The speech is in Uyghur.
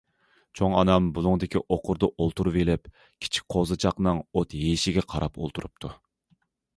چوڭ ئانام بۇلۇڭدىكى ئوقۇردا ئولتۇرۇۋېلىپ كىچىك قوزىچاقنىڭ ئوت يېيىشىگە قاراپ ئولتۇرۇپتۇ.